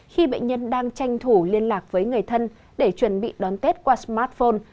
khi bệnh nhân đang tranh thủ liên lạc với người thân để chuẩn bị đón tết qua smartphone